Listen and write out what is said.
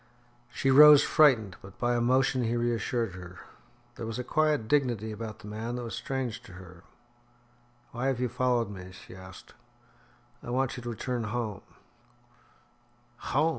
She rose frightened, but by a motion he reassured her. There was a quiet dignity about the man that was strange to her. "Why have you followed me?" she asked. "I want you to return home." "Home!"